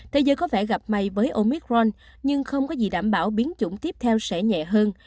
thế giới có vẻ gặp may với omic ron nhưng không có gì đảm bảo biến chủng tiếp theo sẽ nhẹ hơn